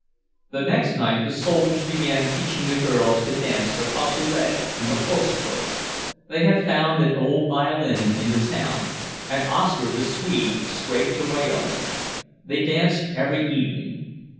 The next night the soldiers began teaching the girls to dance the "Pas Seul" and the "Fausse Trot." They had found an old violin in the town; and Oscar, the Swede, scraped away on it. They danced every evening.